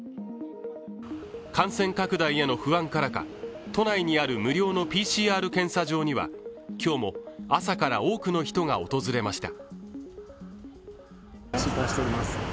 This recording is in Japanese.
感染拡大への不安からか都内にある無料のＰＣＲ検査場には今日も朝から多くの人が訪れました。